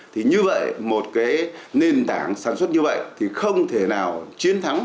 thì như vậy một cái nền tảng sản xuất như vậy thì không thể nào chiến thắng